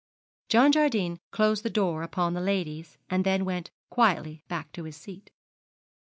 John Jardine closed the door upon the ladies, and then went quietly back to his seat.